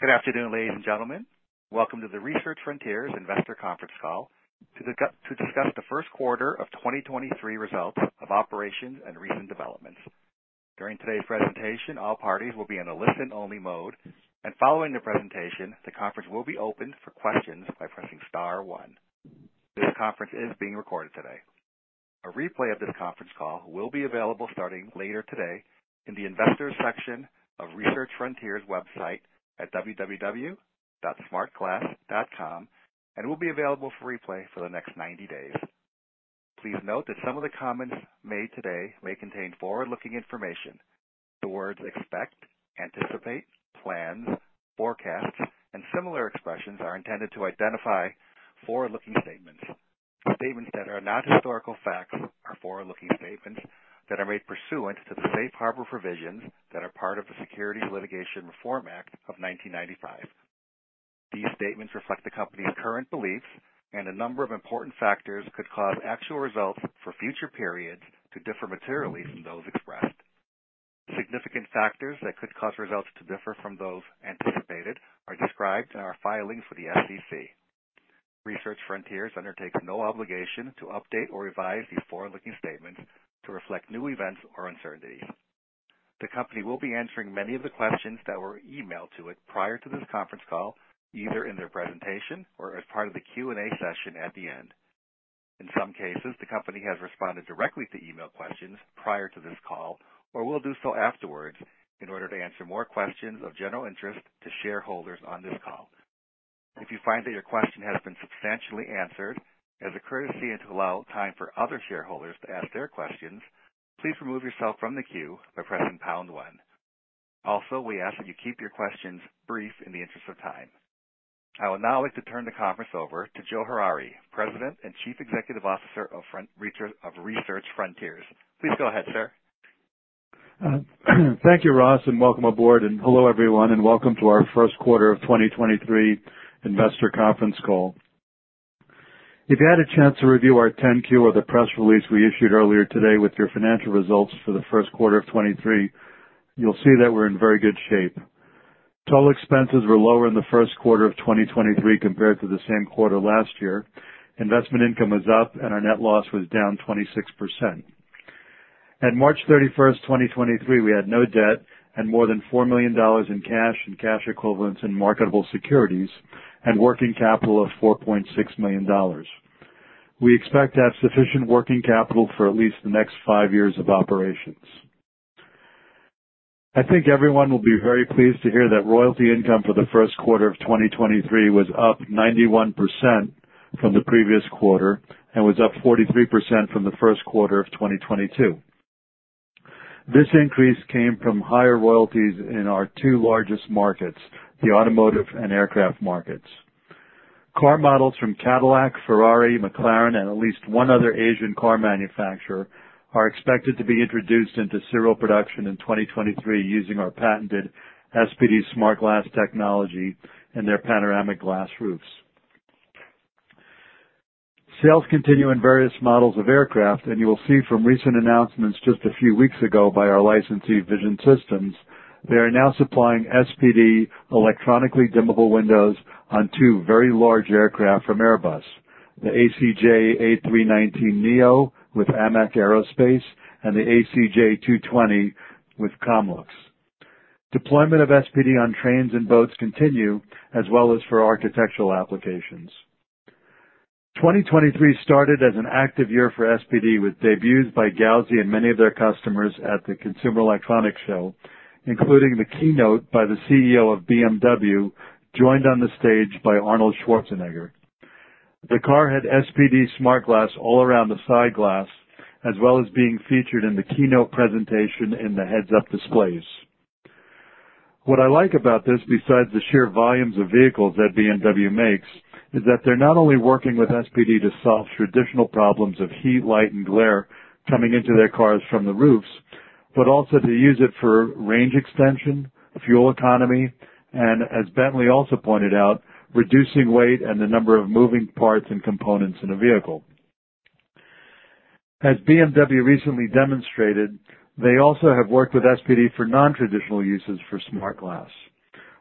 Good afternoon, ladies and gentlemen. Welcome to the Research Frontiers investor conference call to discuss the first quarter of 2023 results of operations and recent developments. During today's presentation, all parties will be in a listen only mode. Following the presentation, the conference will be opened for questions by pressing star one. This conference is being recorded today. A replay of this conference call will be available starting later today in the investors section of Research Frontiers website at www.smartglass.com and will be available for replay for the next 90 days. Please note that some of the comments made today may contain forward-looking information. The words expect, anticipate, plans, forecasts and similar expressions are intended to identify forward-looking statements. Statements that are not historical facts are forward-looking statements that are made pursuant to the safe harbor provisions that are part of the Securities Litigation Reform Act of 1995. These statements reflect the company's current beliefs and a number of important factors could cause actual results for future periods to differ materially from those expressed. Significant factors that could cause results to differ from those anticipated are described in our filing for the SEC. Research Frontiers undertakes no obligation to update or revise these forward-looking statements to reflect new events or uncertainties. The company will be answering many of the questions that were emailed to it prior to this conference call, either in their presentation or as part of the Q&A session at the end. In some cases, the company has responded directly to email questions prior to this call, or will do so afterwards in order to answer more questions of general interest to shareholders on this call. If you find that your question has been substantially answered, as a courtesy and to allow time for other shareholders to ask their questions, please remove yourself from the queue by pressing pound one. We ask that you keep your questions brief in the interest of time. I would now like to turn the conference over to Joe Harary, President and Chief Executive Officer of Research Frontiers. Please go ahead, sir. Thank you, Ross, welcome aboard. Hello everyone, and welcome to our first quarter of 2023 investor conference call. If you had a chance to review our 10 Q or the press release we issued earlier today with your financial results for the first quarter of 23, you'll see that we're in very good shape. Total expenses were lower in the first quarter of 2023 compared to the same quarter last year. Investment income was up and our net loss was down 26%. At March 31st, 2023, we had no debt and more than $4 million in cash and cash equivalents in marketable securities and working capital of $4.6 million. We expect to have sufficient working capital for at least the next 5 years of operations. I think everyone will be very pleased to hear that royalty income for the first quarter of 2023 was up 91% from the previous quarter and was up 43% from the first quarter of 2022. This increase came from higher royalties in our two largest markets, the automotive and aircraft markets. Car models from Cadillac, Ferrari, McLaren and at least one other Asian car manufacturer are expected to be introduced into serial production in 2023 using our patented SPD-SmartGlass technology in their panoramic glass roofs. Sales continue in various models of aircraft, and you will see from recent announcements just a few weeks ago by our licensee, Vision Systems, they are now supplying SPD electronically dimmable windows on two very large aircraft from Airbus. The ACJ319neo with AMAC Aerospace and the ACJ TwoTwenty with Comlux. Deployment of SPD on trains and boats continue as well as for architectural applications. 2023 started as an active year for SPD, with debuts by Gauzy and many of their customers at the Consumer Electronics Show, including the keynote by the CEO of BMW, joined on the stage by Arnold Schwarzenegger. The car had SPD SmartGlass all around the side glass, as well as being featured in the keynote presentation in the heads up displays. What I like about this, besides the sheer volumes of vehicles that BMW makes, is that they're not only working with SPD to solve traditional problems of heat, light and glare coming into their cars from the roofs, but also to use it for range extension, fuel economy, and as Bentley also pointed out, reducing weight and the number of moving parts and components in a vehicle. As BMW recently demonstrated, they also have worked with SPD for non-traditional uses for smart glass.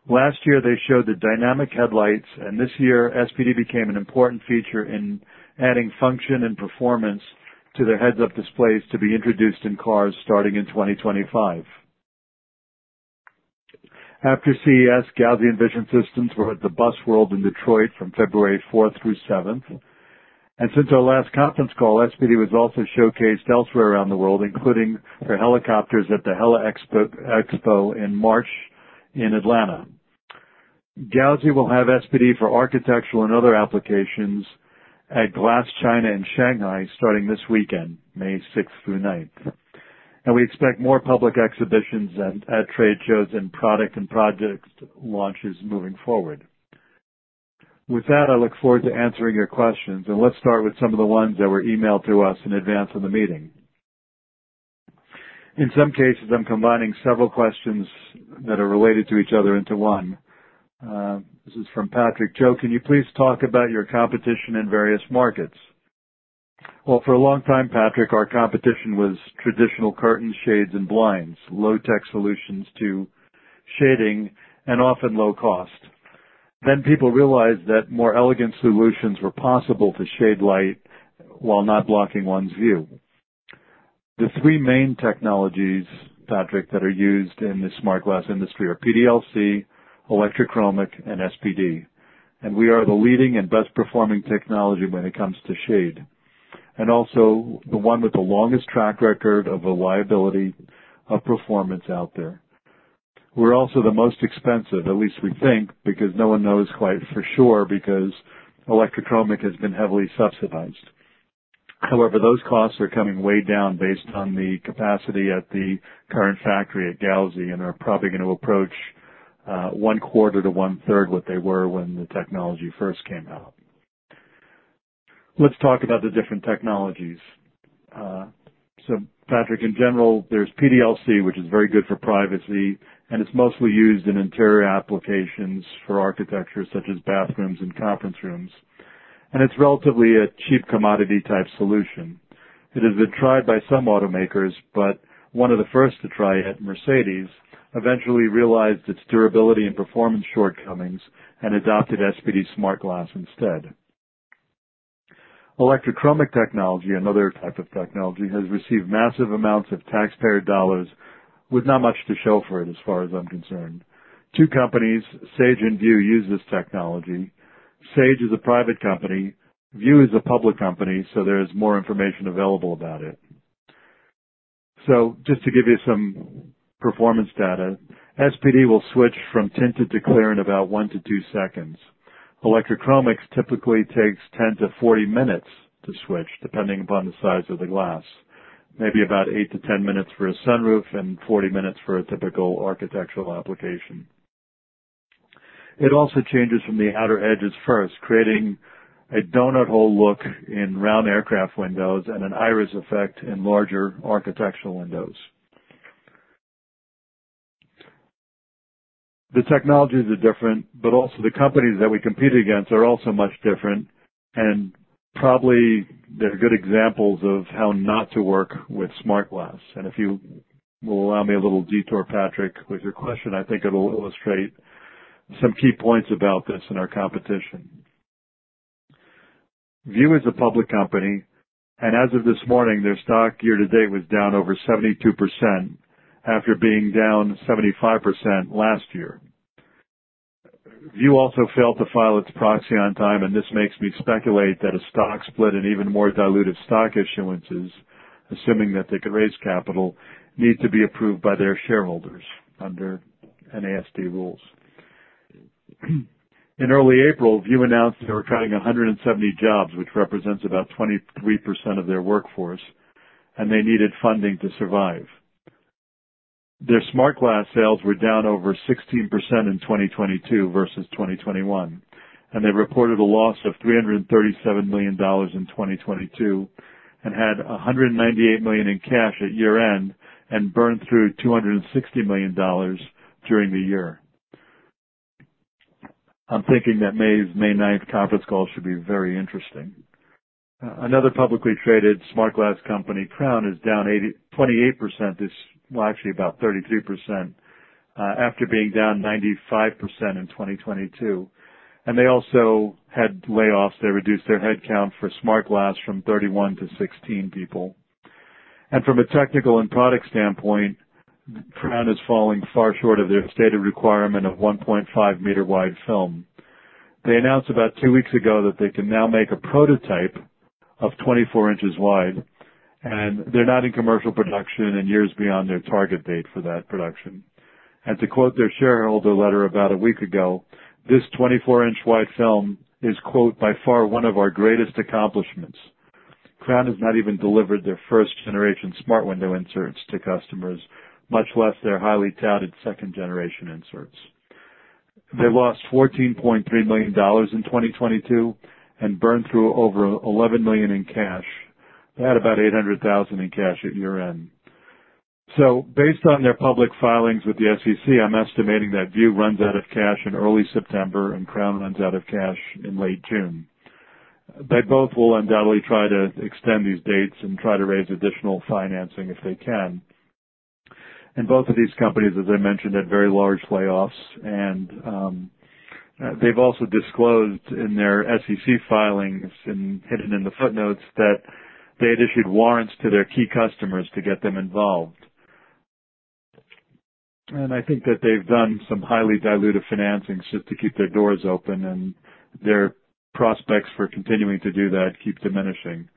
Last year they showed the dynamic headlights, and this year SPD became an important feature in adding function and performance to their heads up displays to be introduced in cars starting in 2025. After CES, Gauzy and Vision Systems were at the Busworld in Detroit from February 4th through 7th. Since our last conference call, SPD was also showcased elsewhere around the world, including for helicopters at the HeliExpo in March in Atlanta. Gauzy will have SPD for architectural and other applications at China Glass in Shanghai starting this weekend, May 6th through 9th. We expect more public exhibitions at trade shows and product and project launches moving forward. With that, I look forward to answering your questions. Let's start with some of the ones that were emailed to us in advance of the meeting. In some cases, I'm combining several questions that are related to each other into one. This is from Patrick. Joe, can you please talk about your competition in various markets? Well, for a long time, Patrick, our competition was traditional curtain shades and blinds, low tech solutions to shading and often low cost. People realized that more elegant solutions were possible to shade light while not blocking one's view. The three main technologies, Patrick, that are used in the smart glass industry are PDLC, electrochromic, and SPD. We are the leading and best performing technology when it comes to shade. Also the one with the longest track record of reliability of performance out there. We're also the most expensive, at least we think, because no one knows quite for sure, because electrochromic has been heavily subsidized. Those costs are coming way down based on the capacity at the current factory at Gauzy, and are probably going to approach, one quarter to one-third what they were when the technology first came out. Let's talk about the different technologies. Patrick, in general, there's PDLC, which is very good for privacy, and it's mostly used in interior applications for architecture such as bathrooms and conference rooms, and it's relatively a cheap commodity type solution. It has been tried by some automakers, but one of the first to try it, Mercedes, eventually realized its durability and performance shortcomings and adopted SPD-SmartGlass instead. Electrochromic technology, another type of technology, has received massive amounts of taxpayer dollars with not much to show for it, as far as I'm concerned. Two companies, Sage and View, use this technology. Sage is a private company. View is a public company, there's more information available about it. Just to give you some performance data, SPD will switch from tinted to clear in about one to two seconds. Electrochromics typically takes 10 to 40 minutes to switch, depending upon the size of the glass. Maybe about eight to 10 minutes for a sunroof and 40 minutes for a typical architectural application. It also changes from the outer edges first, creating a donut hole look in round aircraft windows and an iris effect in larger architectural windows. The technologies are different, also the companies that we compete against are also much different. Probably they're good examples of how not to work with smart glass. If you will allow me a little detour, Patrick, with your question, I think it'll illustrate some key points about this in our competition. View is a public company, and as of this morning, their stock year to date was down over 72% after being down 75% last year. View also failed to file its proxy on time, and this makes me speculate that a stock split and even more diluted stock issuances, assuming that they could raise capital, need to be approved by their shareholders under NASD rules. In early April, View announced they were cutting 170 jobs, which represents about 23% of their workforce, and they needed funding to survive. Their smart glass sales were down over 16% in 2022 versus 2021. They reported a loss of $337 million in 2022 and had $198 million in cash at year-end and burned through $260 million during the year. I'm thinking that May 9th conference call should be very interesting. Another publicly traded smart glass company, Crown, is down 28% this, well, actually about 33%, after being down 95% in 2022. They also had layoffs. They reduced their headcount for smart glass from 31 to 16 people. From a technical and product standpoint, Crown is falling far short of their stated requirement of 1.5 meter wide film. They announced about 2 weeks ago that they can now make a prototype of 24 inches wide, and they're not in commercial production and years beyond their target date for that production. To quote their shareholder letter about 1 week ago, this 24 inch wide film is, quote, "By far one of our greatest accomplishments." Crown has not even delivered their first generation smart window inserts to customers, much less their highly touted second generation inserts. They lost $14.3 million in 2022 and burned through over $11 million in cash. They had about $800,000 in cash at year-end. Based on their public filings with the SEC, I'm estimating that View runs out of cash in early September and Crown runs out of cash in late June. They both will undoubtedly try to extend these dates and try to raise additional financing if they can. Both of these companies, as I mentioned, had very large layoffs. They've also disclosed in their SEC filings and hidden in the footnotes that they had issued warrants to their key customers to get them involved. I think that they've done some highly diluted financings just to keep their doors open and their prospects for continuing to do that keep diminishing.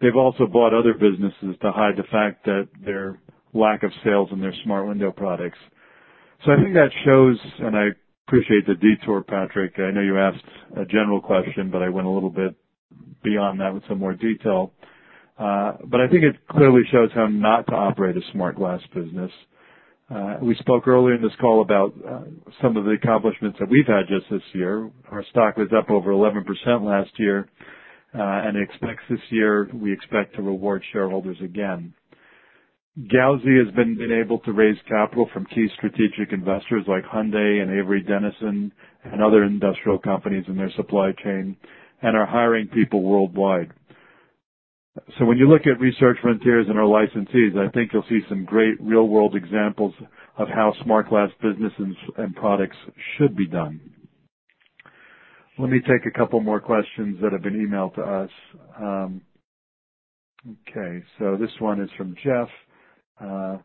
They've also bought other businesses to hide the fact that their lack of sales in their smart window products. I think that shows, and I appreciate the detour, Patrick, I know you asked a general question, but I went a little bit beyond that with some more detail. I think it clearly shows how not to operate a smart glass business. We spoke earlier in this call about some of the accomplishments that we've had just this year. Our stock was up over 11% last year. Expects this year, we expect to reward shareholders again. Gauzy has been able to raise capital from key strategic investors like Hyundai and Avery Dennison and other industrial companies in their supply chain, and are hiring people worldwide. When you look at Research Frontiers and our licensees, I think you'll see some great real-world examples of how smart glass businesses and products should be done. Let me take a couple more questions that have been emailed to us. Okay, this one is from Jeff.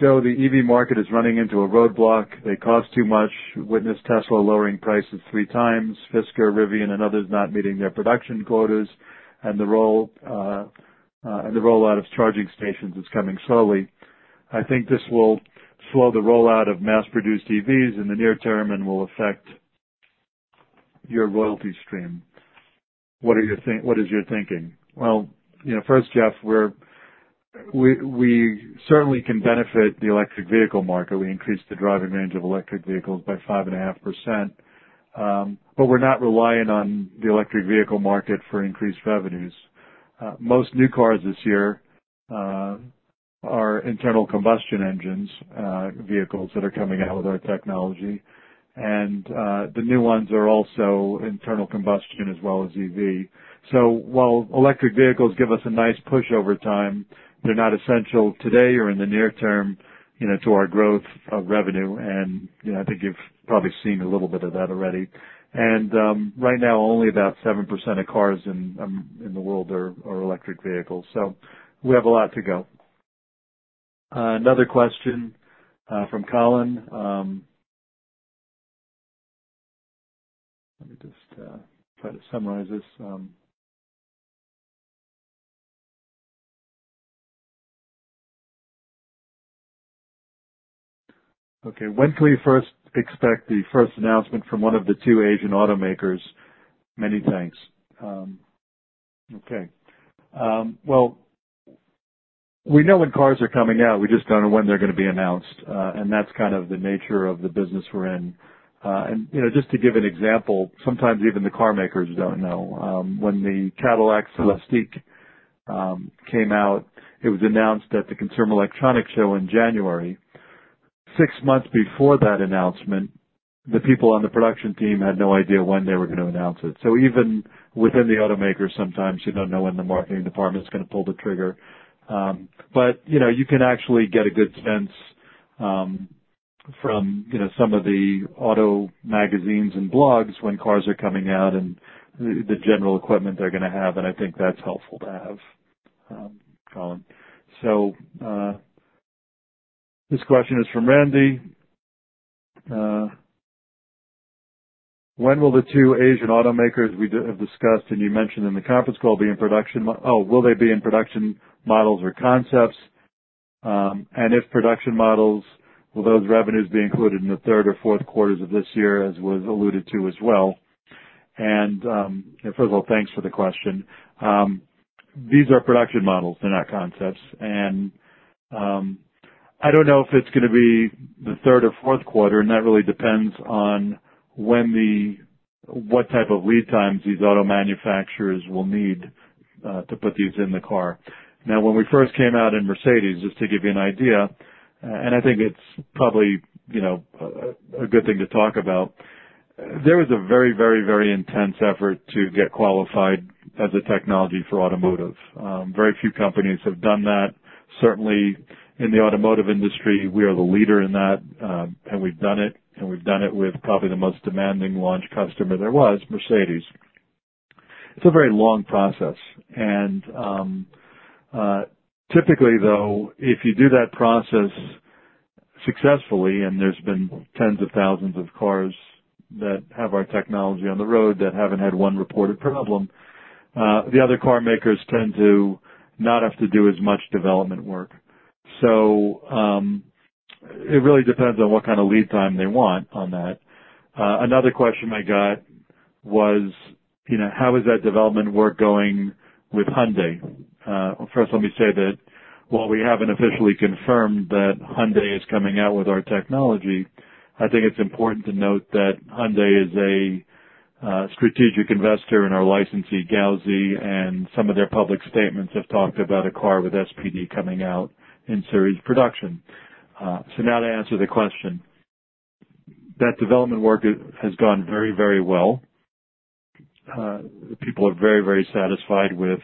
Joe, the EV market is running into a roadblock. They cost too much. Witness Tesla lowering prices 3 times. Fisker, Rivian, and others not meeting their production quotas. The role, and the rollout of charging stations is coming slowly. I think this will slow the rollout of mass-produced EVs in the near term and will affect your royalty stream. What is your thinking? Well, you know, first, Jeff, we certainly can benefit the electric vehicle market. We increased the driving range of electric vehicles by 5.5%. We're not reliant on the electric vehicle market for increased revenues. Most new cars this year are internal combustion engines, vehicles that are coming out with our technology. The new ones are also internal combustion as well as EV. While electric vehicles give us a nice push over time, they're not essential today or in the near term, you know, to our growth of revenue. You know, I think you've probably seen a little bit of that already. Right now, only about 7% of cars in the world are electric vehicles. We have a lot to go. Another question from Colin. Let me just try to summarize this. Okay. When can we first expect the first announcement from 1 of the 2 Asian automakers? Many thanks. Okay. Well, we know when cars are coming out, we just don't know when they're gonna be announced. That's kind of the nature of the business we're in. You know, just to give an example, sometimes even the car makers don't know. When the Cadillac CELESTIQ came out, it was announced at the Consumer Electronics Show in January. Six months before that announcement, the people on the production team had no idea when they were gonna announce it. Even within the automakers, sometimes you don't know when the marketing department's gonna pull the trigger. You know, you can actually get a good sense, from, you know, some of the auto magazines and blogs when cars are coming out and the general equipment they're gonna have, and I think that's helpful to have, Colin. This question is from Randy. When will the two Asian automakers we have discussed and you mentioned in the conference call be in production? Oh, will they be in production models or concepts? If production models, will those revenues be included in the third or fourth quarters of this year, as was alluded to as well? First of all, thanks for the question. These are production models. They're not concepts. I don't know if it's gonna be the third or fourth quarter. That really depends on when what type of lead times these auto manufacturers will need to put these in the car. Now, when we first came out in Mercedes, just to give you an idea, and I think it's probably, you know, a good thing to talk about. There was a very intense effort to get qualified as a technology for automotive. Very few companies have done that. Certainly, in the automotive industry, we are the leader in that. We've done it, and we've done it with probably the most demanding launch customer there was, Mercedes. It's a very long process. Typically, though, if you do that process successfully, and there's been tens of thousands of cars that have our technology on the road that haven't had 1 reported problem, the other car makers tend to not have to do as much development work. It really depends on what kind of lead time they want on that. Another question I got was, you know, how is that development work going with Hyundai? First, let me say that while we haven't officially confirmed that Hyundai is coming out with our technology, I think it's important to note that Hyundai is a strategic investor in our licensee, Gauzy, and some of their public statements have talked about a car with SPD coming out in series production. Now to answer the question. That development work has gone very, very well. People are very, very satisfied with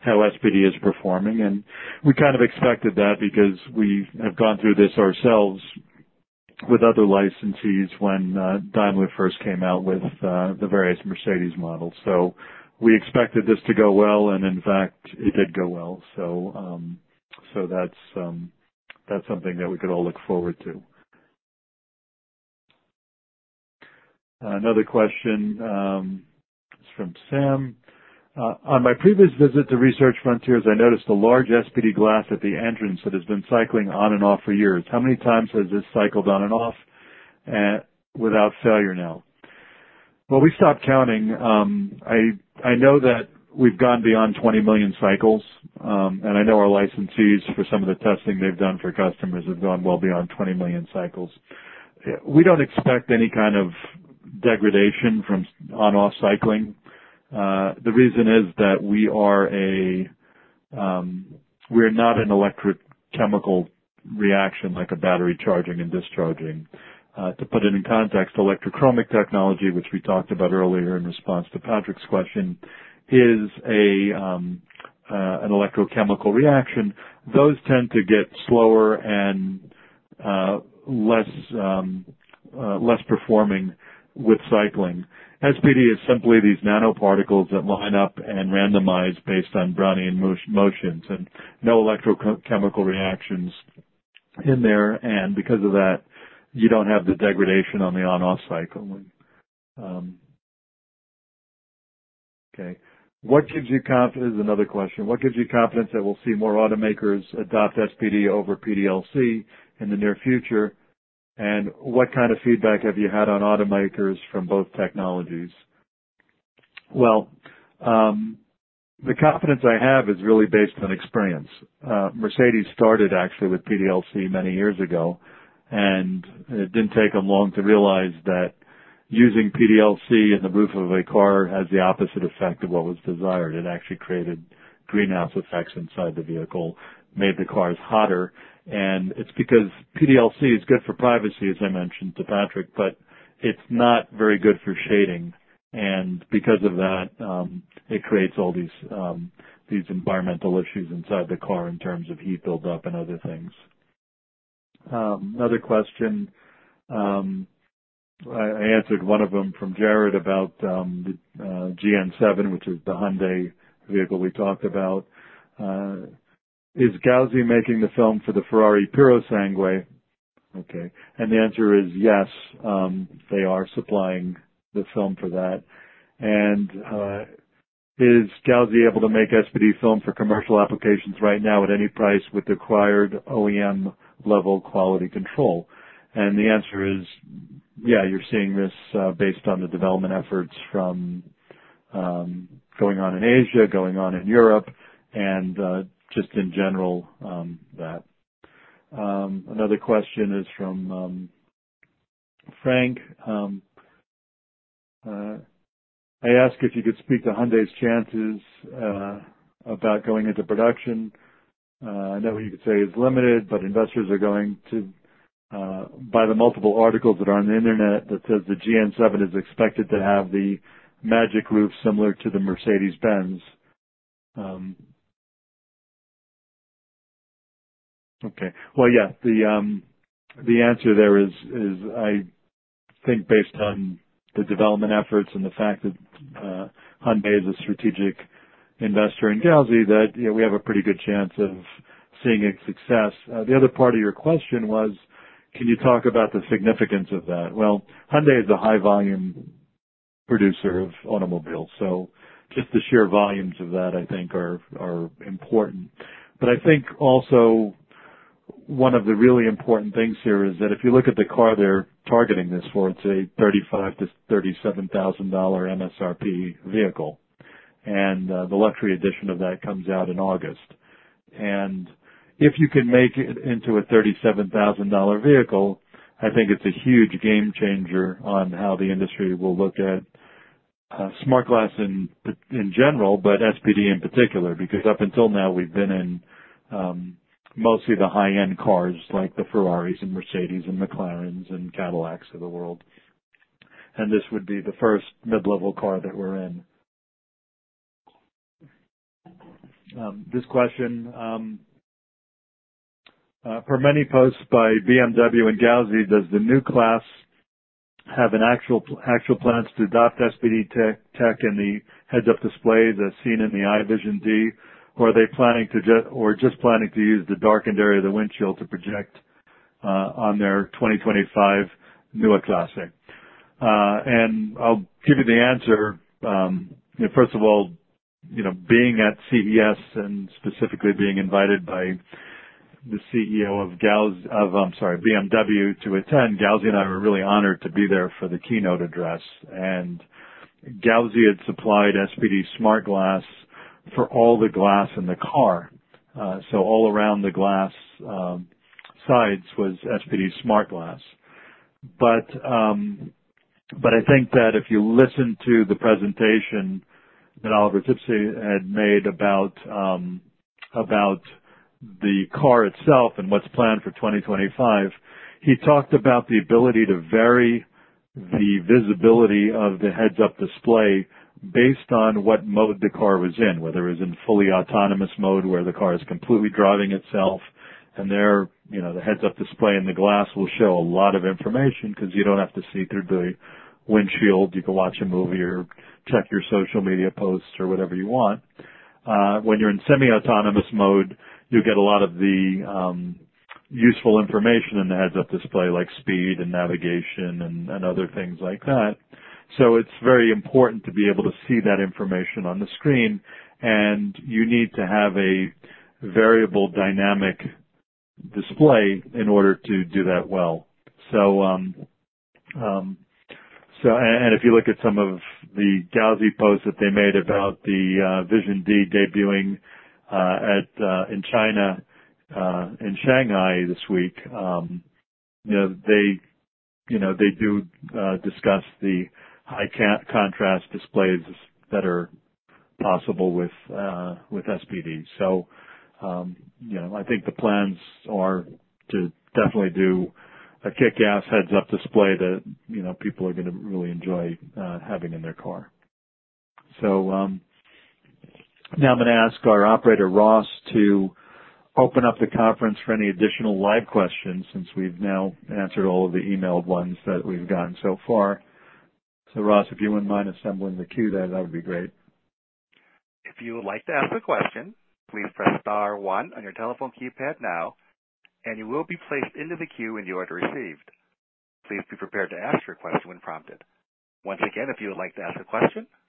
how SPD is performing, and we kind of expected that because we have gone through this ourselves with other licensees when Daimler first came out with the various Mercedes models. We expected this to go well, and in fact, it did go well. That's something that we could all look forward to. Another question is from Sam. On my previous visit to Research Frontiers, I noticed a large SPD glass at the entrance that has been cycling on and off for years. How many times has this cycled on and off without failure now? Well, we stopped counting. I know that we've gone beyond 20 million cycles. And I know our licensees, for some of the testing they've done for customers, have gone well beyond 20 million cycles. We don't expect any kind of degradation from on/off cycling. The reason is that we're not an electric chemical reaction like a battery charging and discharging. To put it in context, electrochromic technology, which we talked about earlier in response to Patrick's question, is an electrochemical reaction. Those tend to get slower and less performing with cycling. SPD is simply these nanoparticles that line up and randomize based on Brownian motions and no electrochemical reactions in there. Because of that, you don't have the degradation on the on/off cycling. Okay. What gives you confidence? Another question. What gives you confidence that we'll see more automakers adopt SPD over PDLC in the near future? What kind of feedback have you had on automakers from both technologies? Well, the confidence I have is really based on experience. Mercedes started actually with PDLC many years ago, it didn't take them long to realize that using PDLC in the roof of a car has the opposite effect of what was desired. It actually created greenhouse effects inside the vehicle, made the cars hotter. It's because PDLC is good for privacy, as I mentioned to Patrick, but it's not very good for shading. Because of that, it creates all these environmental issues inside the car in terms of heat build-up and other things. Another question. I answered one of them from Jared about the GN7, which is the Hyundai vehicle we talked about. Is Gauzy making the film for the Ferrari Purosangue? Okay. The answer is yes, they are supplying the film for that. Is Gauzy able to make SPD film for commercial applications right now at any price with the required OEM level quality control? The answer is yes. You're seeing this, based on the development efforts from going on in Asia, going on in Europe just in general, that. Another question is from Frank. I ask if you could speak to Hyundai's chances about going into production. I know you could say it's limited, investors are going to by the multiple articles that are on the Internet that says the GN7 is expected to have the magic roof similar to the Mercedes-Benz. Okay. Well, yeah. The, the answer there is I think based on the development efforts and the fact that Hyundai is a strategic investor in Gauzy, that, you know, we have a pretty good chance of seeing its success. The other part of your question was, can you talk about the significance of that? Well, Hyundai is a high volume producer of automobiles, so just the sheer volumes of that I think are important. I think also one of the really important things here is that if you look at the car they're targeting this for, it's a $35,000-$37,000 MSRP vehicle. The luxury edition of that comes out in August. If you can make it into a $37,000 vehicle, I think it's a huge game changer on how the industry will look at smart glass in general, but SPD in particular, because up until now we've been in mostly the high-end cars like the Ferraris and Mercedes and McLarens and Cadillacs of the world. This would be the first mid-level car that we're in. This question, per many posts by BMW and Gauzy, does the Neue Klasse have actual plans to adopt SPD tech in the heads up display that's seen in the i Vision Dee? Or are they just planning to use the darkened area of the windshield to project on their 2025 Neue Klasse? I'll give you the answer. First of all, you know, being at CES and specifically being invited by the CEO of BMW to attend, Gauzy and I were really honored to be there for the keynote address. Gauzy had supplied SPD-SmartGlass for all the glass in the car. All around the glass sides was SPD-SmartGlass. But I think that if you listen to the presentation that Oliver Zipse had made about the car itself and what's planned for 2025, he talked about the ability to vary the visibility of the heads-up display based on what mode the car was in, whether it was in fully autonomous mode, where the car is completely driving itself. There, you know, the heads up display in the glass will show a lot of information because you don't have to see through the windshield. You can watch a movie or check your social media posts or whatever you want. When you're in semi-autonomous mode, you get a lot of the useful information in the heads up display, like speed and navigation and other things like that. It's very important to be able to see that information on the screen, and you need to have a variable dynamic display in order to do that well. If you look at some of the Gauzy posts that they made about the Vision Dee debuting at in China in Shanghai this week, you know, they, you know, they do discuss the high contrast displays that are possible with SPD. You know, I think the plans are to definitely do a kick-ass heads up display that, you know, people are gonna really enjoy having in their car. Now I'm gonna ask our operator, Ross, to open up the conference for any additional live questions since we've now answered all of the emailed ones that we've gotten so far. Ross, if you wouldn't mind assembling the queue then, that would be great. If you would like to ask a question, please press star one on your telephone keypad now, you will be placed into the queue in the order received. Please be prepared to ask your question when prompted. Once again, if you would like to ask a question, please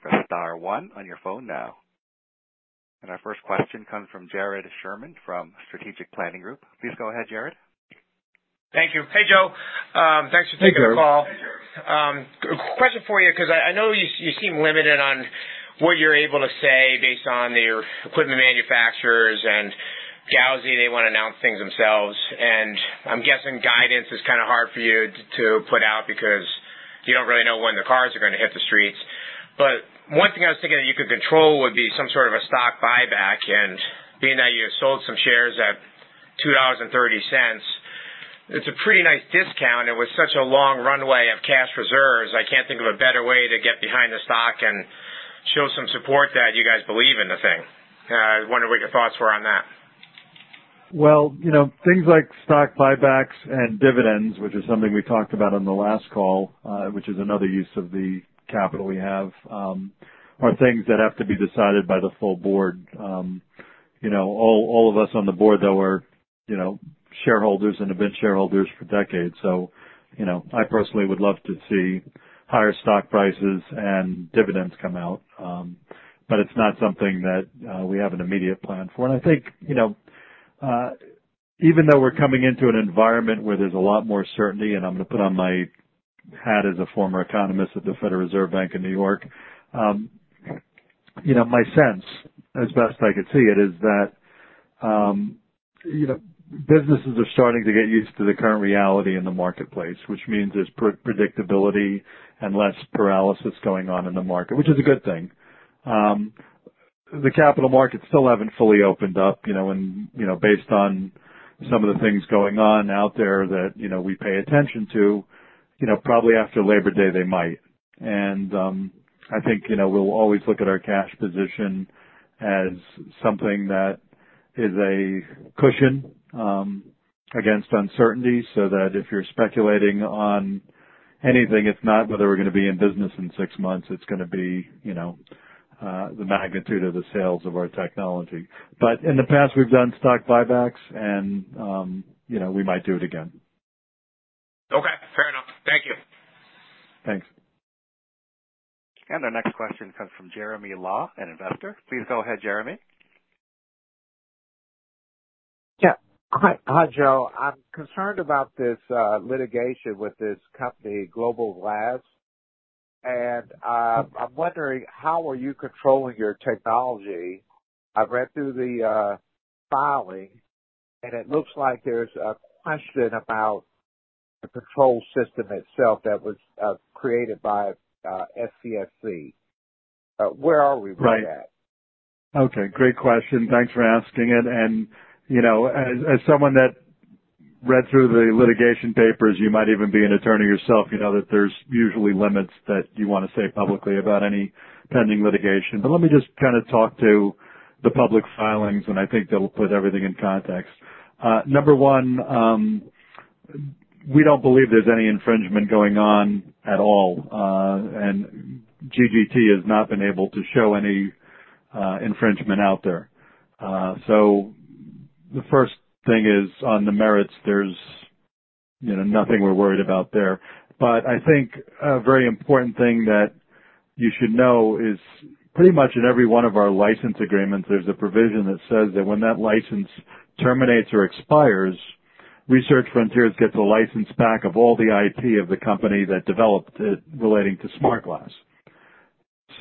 press star one on your phone now. Our first question comes from Jared Sherman from Strategic Planning Group. Please go ahead, Jared. Thank you. Hey, Joe. Thanks for taking the call. Hey, Jared. Question for you, 'cause I know you seem limited on what you're able to say based on your equipment manufacturers and Gauzy, they wanna announce things themselves. I'm guessing guidance is kinda hard for you to put out because you don't really know when the cars are gonna hit the streets. One thing I was thinking that you could control would be some sort of a stock buyback, and being that you sold some shares at $2.30, it's a pretty nice discount, and with such a long runway of cash reserves, I can't think of a better way to get behind the stock and show some support that you guys believe in the thing. I was wondering what your thoughts were on that. You know, things like stock buybacks and dividends, which is something we talked about on the last call, which is another use of the capital we have, are things that have to be decided by the full board. You know, all of us on the board, though, are, you know, shareholders and have been shareholders for decades. You know, I personally would love to see higher stock prices and dividends come out, but it's not something that we have an immediate plan for. I think, you know, even though we're coming into an environment where there's a lot more certainty, and I'm gonna put on my hat as a former economist at the Federal Reserve Bank of New York, you know, my sense, as best I could see it, is that, you know, businesses are starting to get used to the current reality in the marketplace, which means there's predictability and less paralysis going on in the market, which is a good thing. The capital markets still haven't fully opened up, you know, based on some of the things going on out there that, you know, we pay attention to, you know, probably after Labor Day, they might. I think, you know, we'll always look at our cash position as something that is a cushion against uncertainty, so that if you're speculating on anything, it's not whether we're gonna be in business in 6 months, it's gonna be, you know, the magnitude of the sales of our technology. In the past, we've done stock buybacks and, you know, we might do it again. Okay. Fair enough. Thank you. Thanks. Our next question comes from Jeremy Law, an investor. Please go ahead, Jeremy. Yeah. Hi, Joe. I'm concerned about this litigation with this company, Global Glass. I'm wondering how are you controlling your technology? I've read through the filing. It looks like there's a question about the control system itself that was created by SCFC. Where are we with that? Right. Okay. Great question. Thanks for asking it. You know, as someone that read through the litigation papers, you might even be an attorney yourself. You know that there's usually limits that you wanna say publicly about any pending litigation. Let me just kinda talk to the public filings, and I think that'll put everything in context. Number one, we don't believe there's any infringement going on at all, and GGT has not been able to show any infringement out there. The first thing is, on the merits, there's, you know, nothing we're worried about there. I think a very important thing that you should know is pretty much in every one of our license agreements, there's a provision that says that when that license terminates or expires, Research Frontiers gets a license back of all the IP of the company that developed it relating to smart glass.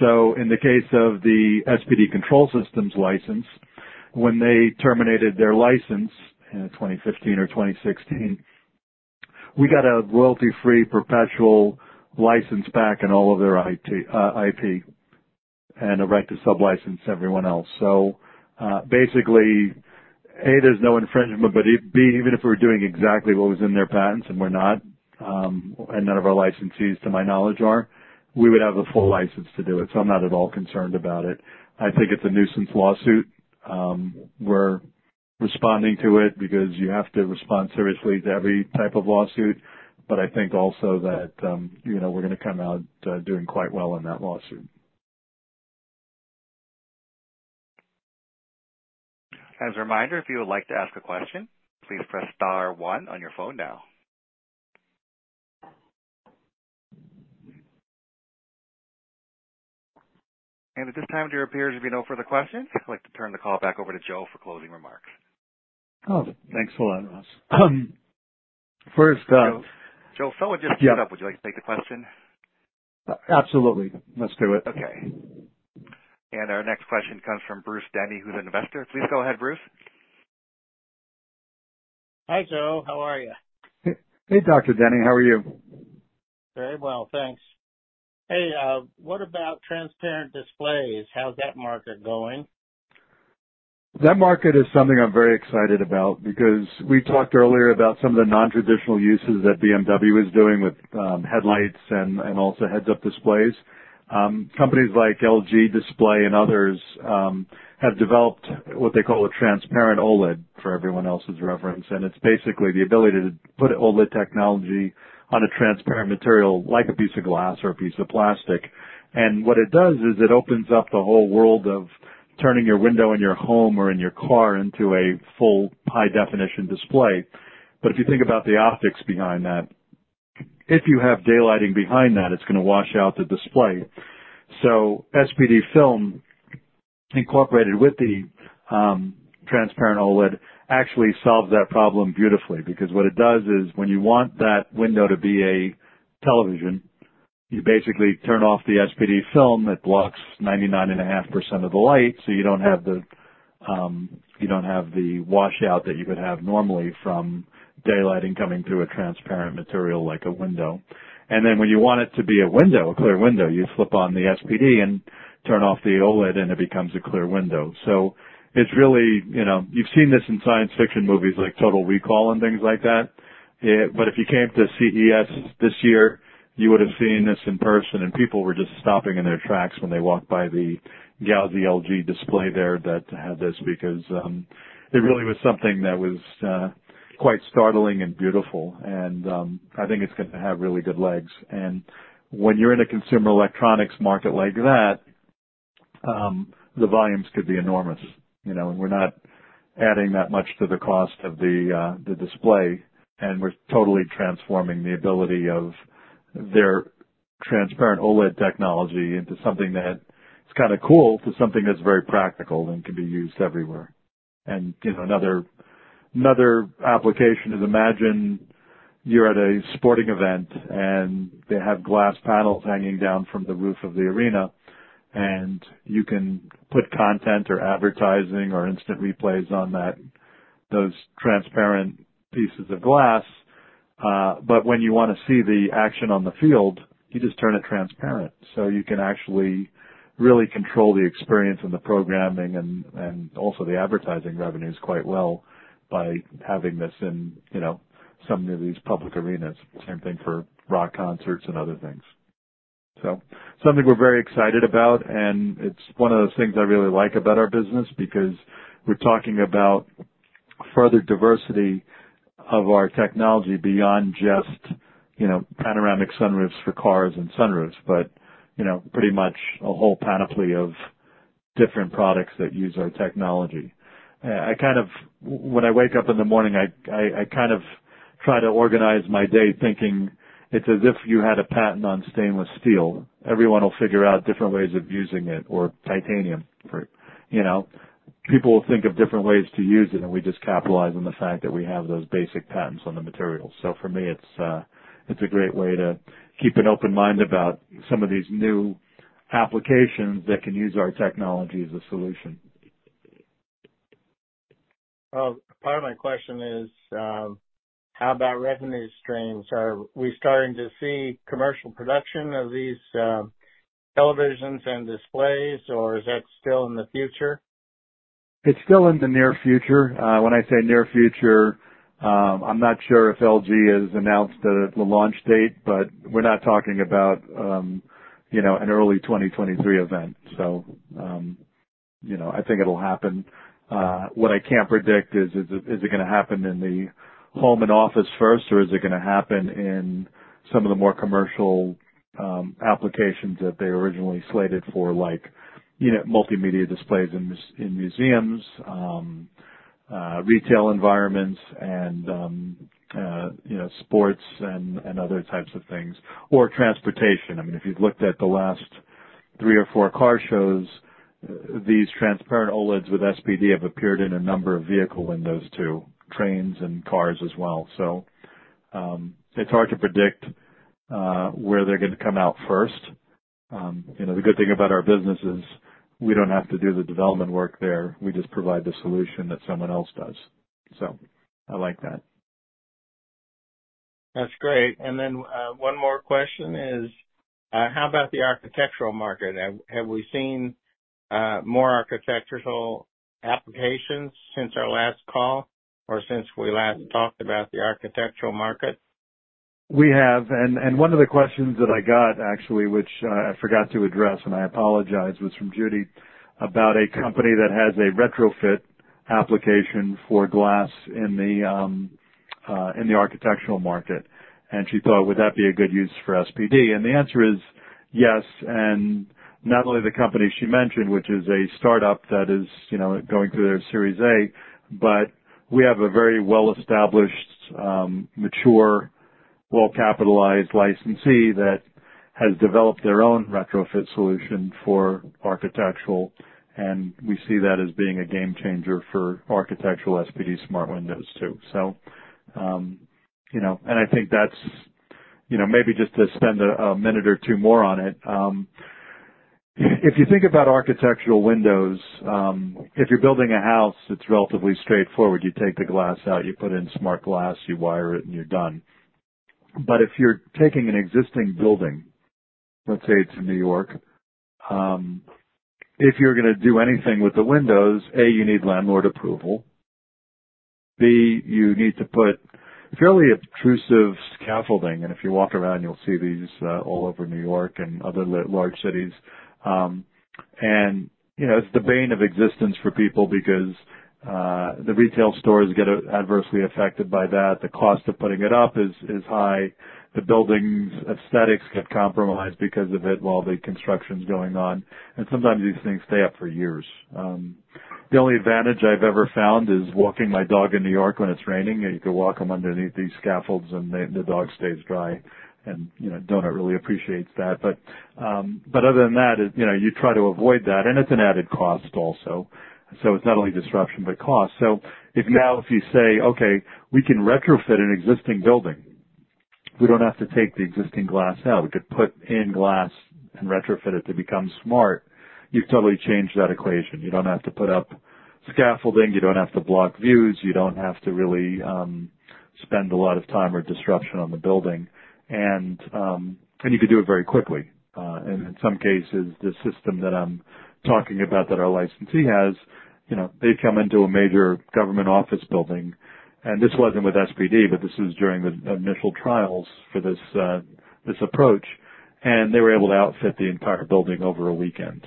In the case of the SPD control systems license, when they terminated their license in 2015 or 2016, we got a royalty-free perpetual license back in all of their IP and a right to sublicense everyone else. Basically, A, there's no infringement, but B, even if we're doing exactly what was in their patents, and we're not, and none of our licensees to my knowledge are, we would have a full license to do it, so I'm not at all concerned about it. I think it's a nuisance lawsuit. We're responding to it because you have to respond seriously to every type of lawsuit. I think also that, you know, we're gonna come out doing quite well in that lawsuit. As a reminder, if you would like to ask a question, please press star one on your phone now. At this time, there appears to be no further questions. I'd like to turn the call back over to Joe for closing remarks. Oh. Thanks a lot, Ross. First. Joe. Joe, someone just joined up. Yeah. Would you like to take the question? Absolutely. Let's do it. Okay. Our next question comes from Bruce Denny, who's an investor. Please go ahead, Bruce. Hi, Joe. How are you? Hey, Dr. Denny. How are you? Very well, thanks. Hey, what about transparent displays? How's that market going? That market is something I'm very excited about because we talked earlier about some of the non-traditional uses that BMW is doing with, headlights and also heads-up displays. Companies like LG Display and others, have developed what they call a transparent OLED, for everyone else's reference. It's basically the ability to put OLED technology on a transparent material like a piece of glass or a piece of plastic. What it does is it opens up the whole world of turning your window in your home or in your car into a full high-definition display. If you think about the optics behind that, if you have daylighting behind that, it's gonna wash out the display. SPD film incorporated with the transparent OLED actually solves that problem beautifully because what it does is when you want that window to be a television, you basically turn off the SPD film that blocks 99.5% of the light, so you don't have the washout that you would have normally from daylighting coming through a transparent material like a window. Then when you want it to be a window, a clear window, you flip on the SPD and turn off the OLED, and it becomes a clear window. It's really. You know, you've seen this in science fiction movies like Total Recall and things like that. If you came to CES this year, you would have seen this in person, and people were just stopping in their tracks when they walked by the Gauzy/LG Display there that had this because it really was something that was quite startling and beautiful. I think it's gonna have really good legs. When you're in a consumer electronics market like that, the volumes could be enormous. You know, we're not adding that much to the cost of the display, and we're totally transforming the ability of their transparent OLED technology into something that is kinda cool, to something that's very practical and can be used everywhere. You know, another application is imagine you're at a sporting event, and they have glass panels hanging down from the roof of the arena, and you can put content or advertising or instant replays on those transparent pieces of glass. When you wanna see the action on the field, you just turn it transparent. You can actually really control the experience and the programming and also the advertising revenues quite well by having this in, you know, some of these public arenas. Same thing for rock concerts and other things. Something we're very excited about, and it's one of those things I really like about our business because we're talking about further diversity of our technology beyond just, you know, panoramic sunroofs for cars and sunroofs, but, you know, pretty much a whole panoply of different products that use our technology. When I wake up in the morning, I kind of try to organize my day thinking it's as if you had a patent on stainless steel. Everyone will figure out different ways of using it or titanium for, you know. People will think of different ways to use it. We just capitalize on the fact that we have those basic patents on the material. For me, it's a great way to keep an open mind about some of these new applications that can use our technology as a solution. Part of my question is, how about revenue streams? Are we starting to see commercial production of these televisions and displays, or is that still in the future? It's still in the near future. When I say near future, I'm not sure if LG has announced the launch date, but we're not talking about, you know, an early 2023 event. You know, I think it'll happen. What I can't predict is it gonna happen in the home and office first, or is it gonna happen in some of the more commercial applications that they originally slated for, like, you know, multimedia displays in museums, retail environments and, you know, sports and other types of things or transportation. I mean, if you looked at the last three or four car shows, these transparent OLEDs with SPD have appeared in a number of vehicle windows too, trains and cars as well. It's hard to predict where they're gonna come out first. You know, the good thing about our business is we don't have to do the development work there. We just provide the solution that someone else does. I like that. That's great. One more question is, how about the architectural market? Have we seen more architectural applications since our last call or since we last talked about the architectural market? We have. One of the questions that I got actually, which I forgot to address, and I apologize, was from Judy about a company that has a retrofit application for glass in the architectural market. She thought, "Would that be a good use for SPD?" The answer is yes. Not only the company she mentioned, which is a startup that is, you know, going through their Series A, but we have a very well-established, matureWell-capitalized licensee that has developed their own retrofit solution for architectural, and we see that as being a game changer for architectural SPD smart windows too. You know, I think that's, you know, maybe just to spend a minute or two more on it. If you think about architectural windows, if you're building a house, it's relatively straightforward. You take the glass out, you put in smart glass, you wire it, and you're done. If you're taking an existing building, let's say it's in New York, if you're gonna do anything with the windows, A, you need landlord approval. B, you need to put fairly obtrusive scaffolding. If you walk around, you'll see these all over New York and other large cities. You know, it's the bane of existence for people because the retail stores get adversely affected by that. The cost of putting it up is high. The building's aesthetics get compromised because of it while the construction's going on. Sometimes these things stay up for years. The only advantage I've ever found is walking my dog in New York when it's raining, and you can walk him underneath these scaffolds, and the dog stays dry. You know, Donut really appreciates that. Other than that, you know, you try to avoid that, and it's an added cost also. It's not only disruption, but cost. If now if you say, "Okay, we can retrofit an existing building. We don't have to take the existing glass out. We could put in glass and retrofit it to become smart," you've totally changed that equation. You don't have to put up scaffolding. You don't have to block views. You don't have to really spend a lot of time or disruption on the building. You can do it very quickly. In some cases, the system that I'm talking about that our licensee has, you know, they come into a major government office building, this wasn't with SPD, but this is during the initial trials for this approach. They were able to outfit the entire building over a weekend.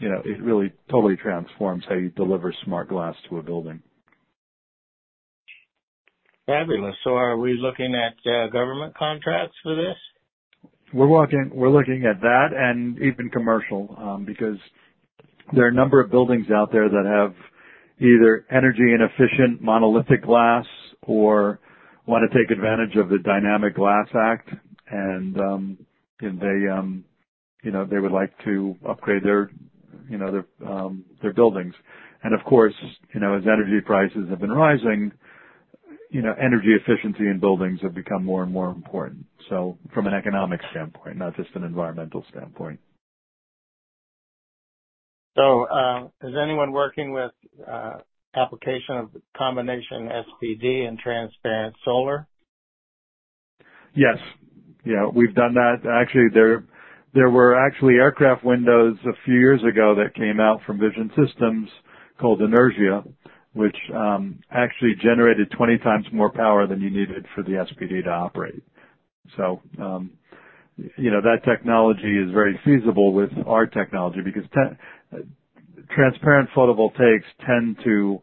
You know, it really totally transforms how you deliver smart glass to a building. Fabulous. Are we looking at government contracts for this? We're looking at that and even commercial because there are a number of buildings out there that have either energy inefficient monolithic glass or wanna take advantage of the Dynamic Glass Act. They, you know, they would like to upgrade their, you know, their buildings. Of course, you know, as energy prices have been rising, you know, energy efficiency in buildings have become more and more important. From an economic standpoint, not just an environmental standpoint. Is anyone working with application of combination SPD and transparent solar? Yes. Yeah, we've done that. Actually, there were actually aircraft windows a few years ago that came out from Vision Systems called Nuance, which actually generated 20 times more power than you needed for the SPD to operate. You know, that technology is very feasible with our technology because transparent photovoltaics tend to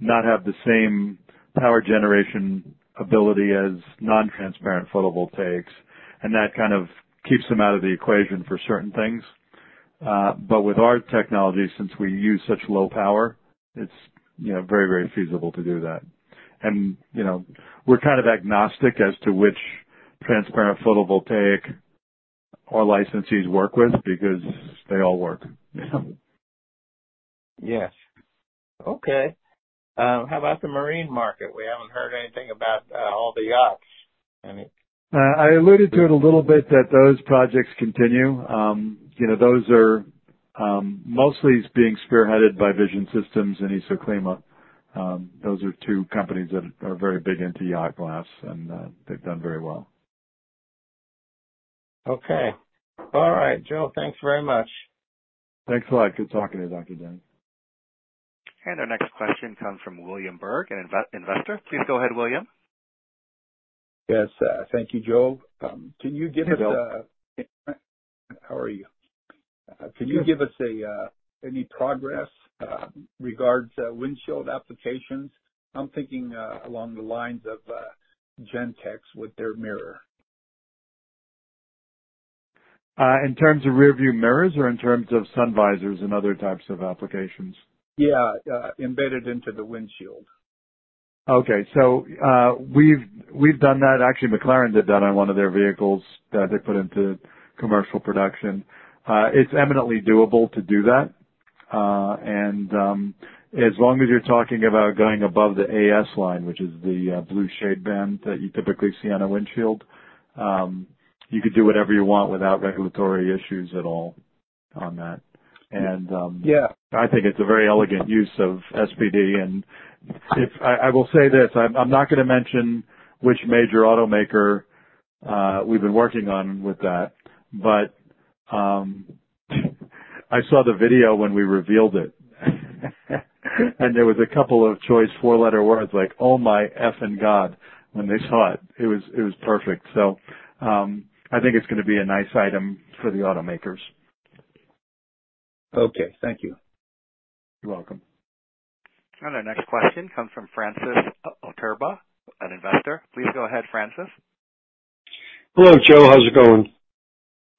not have the same power generation ability as non-transparent photovoltaics, and that kind of keeps them out of the equation for certain things. With our technology, since we use such low power, it's, you know, very, very feasible to do that. You know, we're kind of agnostic as to which transparent photovoltaic our licensees work with because they all work. Yes. Okay. How about the marine market? We haven't heard anything about all the yachts? I alluded to it a little bit that those projects continue. You know, those are mostly being spearheaded by Vision Systems and Isoclima. Those are two companies that are very big into yacht glass, they've done very well. Okay. All right, Joe, thanks very much. Thanks a lot. Good talking to you, Denny. Our next question comes from William Burke, an investor. Please go ahead, William. Yes, thank you, Joe. Can you give us. Hi, Bill. How are you? Good. Can you give us any progress regards windshield applications? I'm thinking along the lines of Gentex with their mirror. In terms of rearview mirrors or in terms of sun visors and other types of applications? Yeah, embedded into the windshield. We've done that. Actually, McLaren did that on one of their vehicles that they put into commercial production. It's eminently doable to do that. As long as you're talking about going above the AS-1 line, which is the blue shade band that you typically see on a windshield, you could do whatever you want without regulatory issues at all on that. Yeah. I think it's a very elegant use of SPD. I will say this, I'm not gonna mention which major automaker, we've been working on with that, but I saw the video when we revealed it, and there was a couple of choice four-letter words like, "Oh, my F-ing God," when they saw it. It was perfect. I think it's gonna be a nice item for the automakers. Okay. Thank you. You're welcome. Our next question comes from Francis Coturbo, an investor. Please go ahead, Francis. Hello, Joe. How's it going?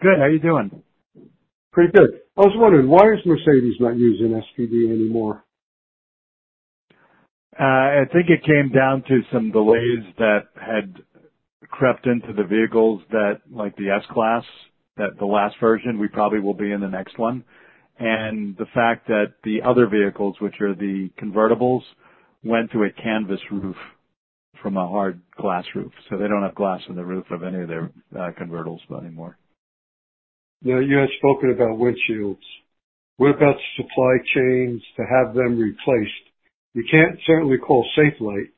Good. How are you doing? Pretty good. I was wondering, why is Mercedes-Benz not using SPD anymore? I think it came down to some delays that had crept into the vehicles that like the S-Class, that the last version, we probably will be in the next one. The fact that the other vehicles, which are the convertibles, went to a canvas roof from a hard glass roof. They don't have glass in the roof of any of their convertibles anymore. Now, you had spoken about windshields. What about supply chains to have them replaced? You can't certainly call Safelite.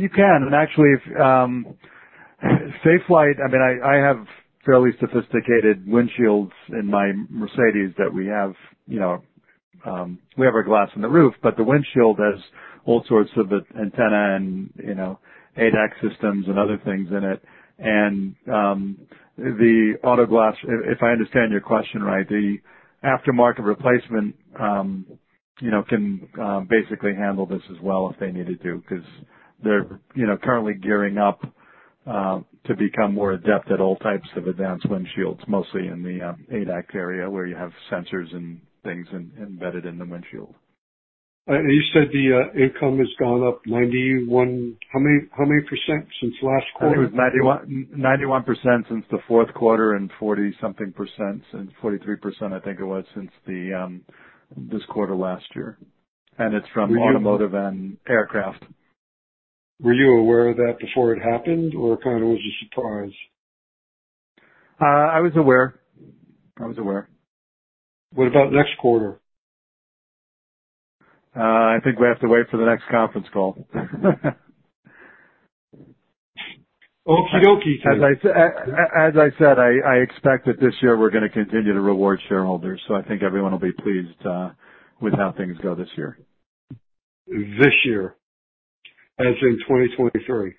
You can. Actually, Safelite, I mean, I have fairly sophisticated windshields in my Mercedes that we have, you know, we have our glass in the roof, but the windshield has all sorts of antenna and, you know, ADAS systems and other things in it. The auto glass, if I understand your question right, the aftermarket replacement, you know, can basically handle this as well if they need to do, 'cause they're, you know, currently gearing up to become more adept at all types of advanced windshields, mostly in the ADAS area where you have sensors and things embedded in the windshield. You said the income has gone up 91. How many % since last quarter? I think it was 91% since the fourth quarter and 40-something%, and 43%, I think it was since the this quarter last year. It's from automotive and aircraft. Were you aware of that before it happened or kind of was a surprise? I was aware. I was aware. What about next quarter? I think we have to wait for the next conference call. Okie dokie. As I said, I expect that this year we're gonna continue to reward shareholders. I think everyone will be pleased with how things go this year. This year, as in 2023?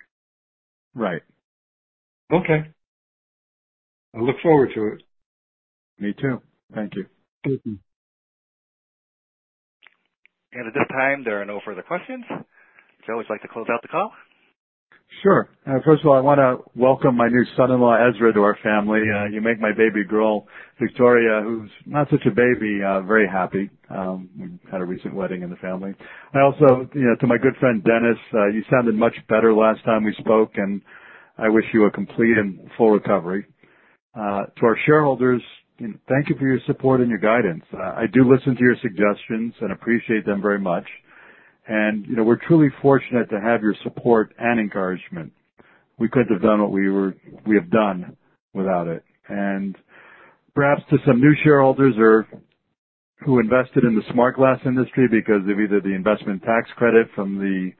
Right. Okay. I look forward to it. Me too. Thank you. Thank you. At this time, there are no further questions. Joe, would you like to close out the call? Sure. First of all, I wanna welcome my new son-in-law, Ezra, to our family. You make my baby girl, Victoria, who's not such a baby, very happy. We had a recent wedding in the family. I also, you know, to my good friend, Dennis, you sounded much better last time we spoke, and I wish you a complete and full recovery. To our shareholders, thank you for your support and your guidance. I do listen to your suggestions and appreciate them very much. You know, we're truly fortunate to have your support and encouragement. We couldn't have done what we have done without it. Perhaps to some new shareholders or who invested in the smart glass industry because of either the investment tax credit from the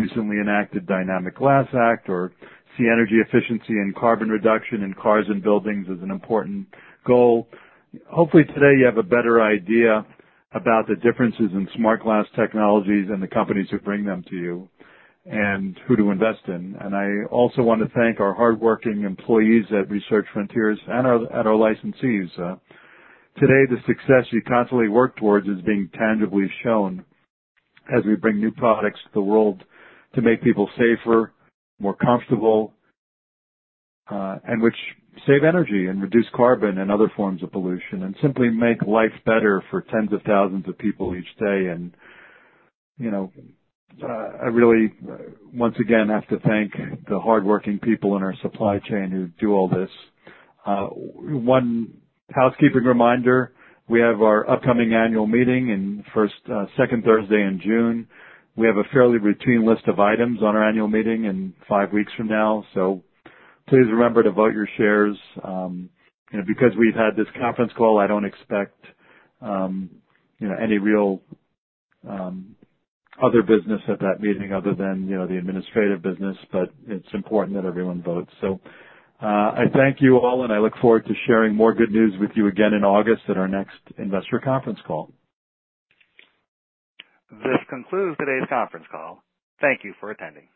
recently enacted Dynamic Glass Act or see energy efficiency and carbon reduction in cars and buildings as an important goal. Hopefully today, you have a better idea about the differences in smart glass technologies and the companies who bring them to you and who to invest in. I also want to thank our hardworking employees at Research Frontiers and our licensees. Today, the success you constantly work towards is being tangibly shown as we bring new products to the world to make people safer, more comfortable, and which save energy and reduce carbon and other forms of pollution, and simply make life better for tens of thousands of people each day. You know, I really once again have to thank the hardworking people in our supply chain who do all this. One housekeeping reminder, we have our upcoming annual meeting in 2nd Thursday in June. We have a fairly routine list of items on our annual meeting in five weeks from now, please remember to vote your shares. You know, because we've had this conference call, I don't expect, you know, any real other business at that meeting other than, you know, the administrative business, it's important that everyone votes. I thank you all, and I look forward to sharing more good news with you again in August at our next investor conference call. This concludes today's conference call. Thank you for attending.